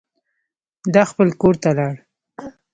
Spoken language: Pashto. ده خپل کور ته لاړ.